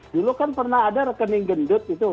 dulu kan pernah ada rekening gendut gitu